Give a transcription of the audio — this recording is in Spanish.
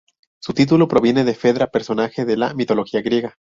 Su título proviene de Fedra personaje de la mitología griega.